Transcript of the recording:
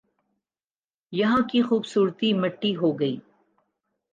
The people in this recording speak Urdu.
یہاں کی خوبصورتی مٹی ہو گئی